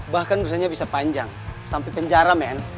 bahkan urusannya bisa panjang sampai penjara men